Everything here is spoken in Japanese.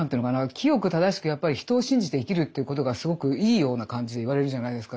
清く正しくやっぱり人を信じて生きるということがすごくいいような感じで言われるじゃないですか。